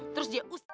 terus dia usah